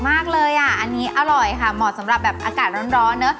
อันนี้อร่อยสำหรับอากาศร้อน